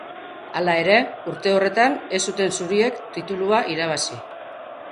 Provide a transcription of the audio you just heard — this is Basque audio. Hala ere, urte horretan ez zuten zuriek titulua irabazi.